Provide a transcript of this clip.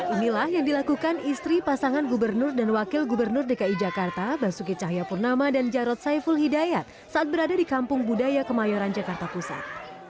inilah yang dilakukan istri pasangan gubernur dan wakil gubernur dki jakarta basuki cahayapurnama dan jarod saiful hidayat saat berada di kampung budaya kemayoran jakarta pusat